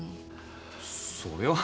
それは。